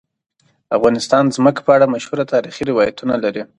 افغانستان د ځمکه په اړه مشهور تاریخی روایتونه لري.